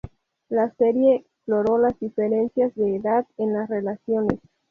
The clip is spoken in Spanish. La serie exploró las diferencias de edad en las relaciones.